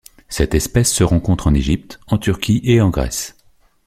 Cette espèce se rencontre en Égypte, en Turquie et en Grèce.